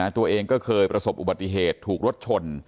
ตัวเองก็เคยประสบอุบัติเหตุถูกรถชน